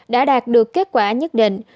đã đạt được kết quả nhất định